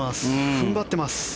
踏ん張ってます。